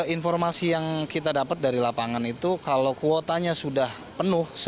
informasi yang kita dapat dari lapangan itu kalau kuotanya sudah penuh